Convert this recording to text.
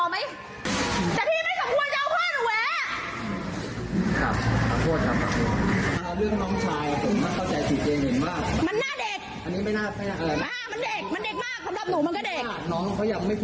มันหน้าเด็กเหมือนเด็กมากสำหรับหนูมันก็เด็ก